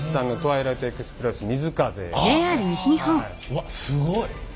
うわっすごい。